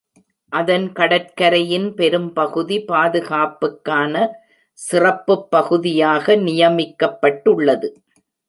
அதன் கடற்கரையின் பெரும்பகுதி பாதுகாப்புக்கான சிறப்புப் பகுதியாக நியமிக்கப்பட்டுள்ளது.